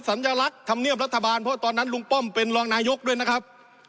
สัญลักษณ์ธรรมเนียบรัฐบาลเพราะตอนนั้นลุงป้อมเป็นรองนายกด้วยนะครับ